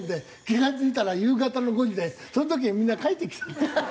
気が付いたら夕方の５時でその時にみんな帰ってきた。